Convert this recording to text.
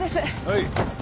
はい。